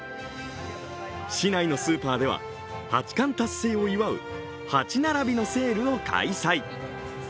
市内のスーパーでは八冠達成を祝う８並びのセールを開催。